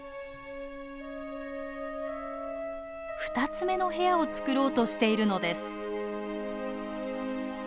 ２つ目の部屋を作ろうとしているのです。